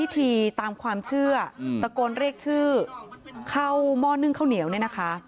พิธีตามความเชื่อตะโกนเรียกชื่อเข้าหม้อนึ่งข้าวเหนียวเนี่ยนะคะ